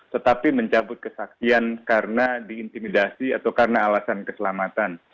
tetapi mencabut kesaksian karena diintimidasi atau karena alasan keselamatan